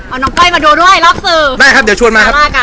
เอาน้องก้อยมาดูด้วยแล้วสื่อได้ครับเดี๋ยวชวนมาครับว่ากัน